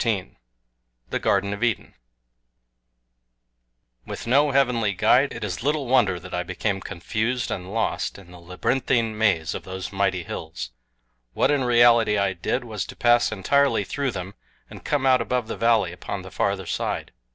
XIV THE GARDEN OF EDEN WITH NO HEAVENLY GUIDE, IT IS LITTLE WONDER that I became confused and lost in the labyrinthine maze of those mighty hills. What, in reality, I did was to pass entirely through them and come out above the valley upon the farther side.